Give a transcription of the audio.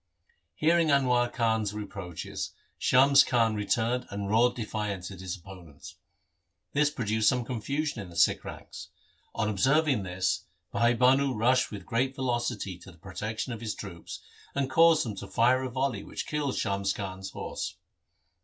Hearing Anwar Khan's reproaches, Shams Khan returned and roared defiance at his opponents. This produced some confusion in the Sikh ranks. On observing this, Bhai Bhanu rushed with great velocity to the protection of his troops, and caused them to fire a volley which killed Shams Khan's horse.